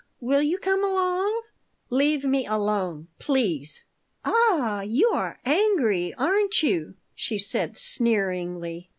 Will you come along?" "Leave me alone, please." "Ah, you are angry, aren't you?" she said, sneeringly.